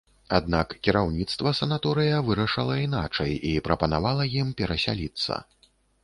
Аднак кіраўніцтва санаторыя вырашыла іначай і прапанавала ім перасяліцца.